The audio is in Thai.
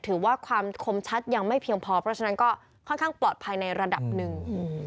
ถือว่าความคมชัดยังไม่เพียงพอเพราะฉะนั้นก็ค่อนข้างปลอดภัยในระดับหนึ่ง